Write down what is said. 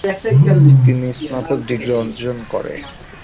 তিনি স্নাতক ডিগ্রী অর্জন করেন।